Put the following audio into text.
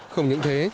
không những thế